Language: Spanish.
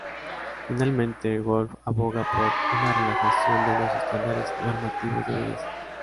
Finalmente, Wolf aboga por una relajación de los estándares normativos de belleza.